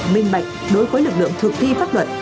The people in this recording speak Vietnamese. minh bạch đối với lực lượng thực thi pháp luật